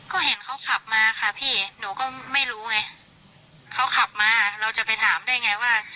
ก็เห็นเขาขับมาค่ะพี่หนูก็ไม่รู้ไงเขาขับมาเราจะไปถามได้ไงว่า